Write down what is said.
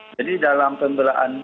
jadi dalam pembelaannya